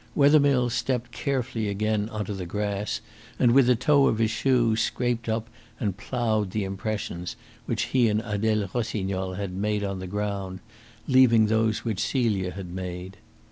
Wethermill stepped carefully again on to the grass, and with the toe of his shoe scraped up and ploughed the impressions which he and Adele Rossignol had made on the ground, leaving those which Celia had made.